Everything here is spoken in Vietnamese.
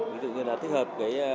ví dụ như là thích hợp